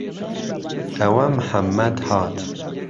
ئەوه محەممەد هات